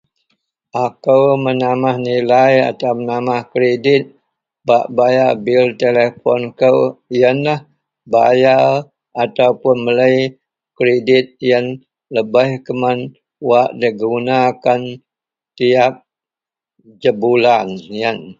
. mun bei masa jelau bak belajer hobi baau ienlah kutan tan pisak takraw jadi tek eh jadi killer tekong, killer kutan tan melibas bola sepak takraw ien tuneh, wak ien susah tan skill, ien kena bak najer selalu